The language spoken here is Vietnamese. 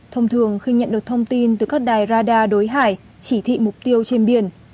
thông thường khi nhận được thông tin từ các đài radar đối hải chỉ thị mục tiêu trên biển